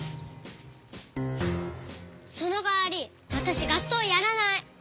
そのかわりわたしがっそうやらない。